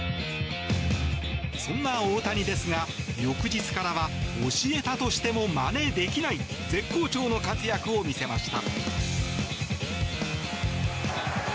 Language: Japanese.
そんな大谷ですが翌日からは教えたとしてもまねできない絶好調の活躍を見せました。